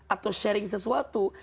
atau sharing sesuatu